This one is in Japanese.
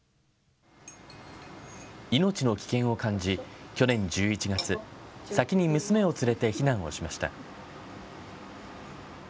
命の危険を感じ、去年１１月、先に娘を連れて避難をしました。